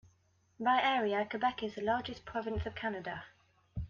By area, Quebec is the largest province of Canada.